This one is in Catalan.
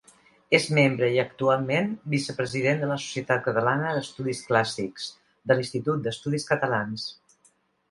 És membre i, actualment, vicepresident de la Societat Catalana d'Estudis Clàssics, de l'Institut d'Estudis Catalans.